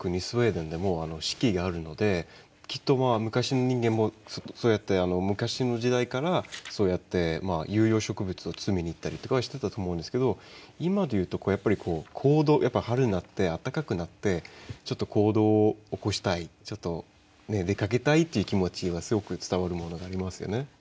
スウェーデンでも四季があるのできっと昔の人間もそうやって昔の時代からそうやって有用植物を摘みに行ったりとかはしてたと思うんですけど今で言うとやっぱりこう春になって暖かくなってちょっと行動を起こしたいちょっと出かけたいっていう気持ちはすごく伝わるものがありますよね。